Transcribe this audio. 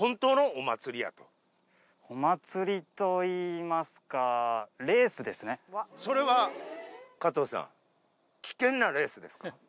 お祭りと言いますか、レースそれは加藤さん、危険なレースですか？